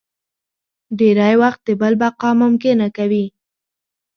ډېری وخت د بل بقا ممکنه کوي.